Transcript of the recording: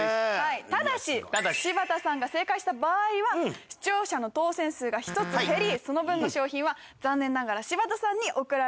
ただし柴田さんが正解した場合は視聴者の当選数が１つ減りその分の商品は残念ながら柴田さんに送られてしまいます。